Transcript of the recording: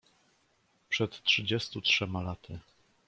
"„Przed trzydziestu trzema laty."